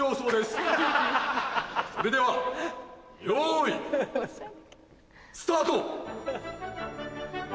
それではよいスタート！